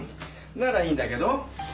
ならいいんだけど！